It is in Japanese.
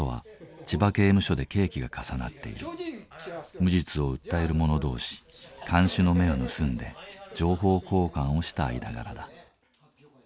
無実を訴える者同士看守の目を盗んで情報交換をした間柄だ。